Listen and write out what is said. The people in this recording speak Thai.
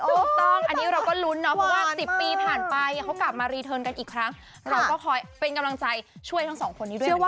ถูกต้องอันนี้เราก็ลุ้นเนาะเพราะว่า๑๐ปีผ่านไปเขากลับมารีเทิร์นกันอีกครั้งเราก็คอยเป็นกำลังใจช่วยทั้งสองคนนี้ด้วย